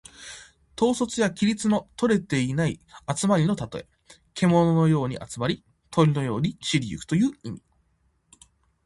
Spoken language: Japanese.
統率や規律のとれていない集まりのたとえ。けもののように集まり、鳥のように散り行くという意味。